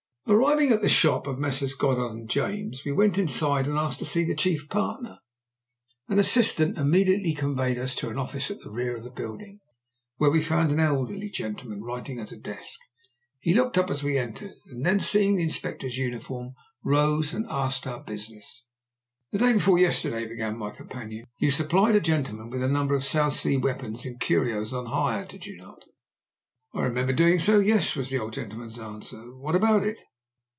Arriving at the shop of Messrs. Goddard & James, we went inside and asked to see the chief partner. An assistant immediately conveyed us to an office at the rear of the building, where we found an elderly gentleman writing at a desk. He looked up as we entered, and then, seeing the Inspector's uniform, rose and asked our business. "The day before yesterday," began my companion, "you supplied a gentleman with a number of South Sea weapons and curios on hire, did you not?" "I remember doing so yes," was the old gentleman's answer. "What about it?"